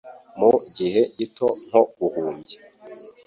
mu gihe gito nko guhumbya